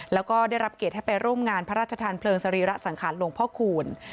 แล้วก็ได้รับเกียรติให้ไปร่วมงานพระราชทานเพลิงสรีระสังขารหลวงพ่อคูณ